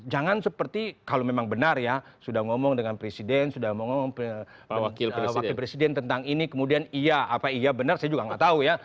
jangan seperti kalau memang benar ya sudah ngomong dengan presiden sudah ngomong wakil presiden tentang ini kemudian iya apa iya benar saya juga nggak tahu ya